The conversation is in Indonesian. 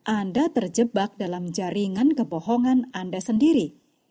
anda terjebak dalam jaringan kebohongan anda sendiri